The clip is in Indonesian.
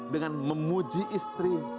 dengan memuji istri